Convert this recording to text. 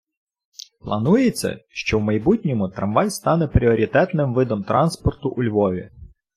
Планується, що в майбутньому трамвай стане пріоритетним видом транспорту у Львові.